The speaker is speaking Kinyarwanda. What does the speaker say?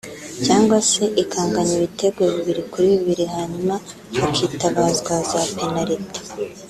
cyangwa se ikanganya ibitego bibiri kuri bibiri hanyuma hakitabazwa za penaliti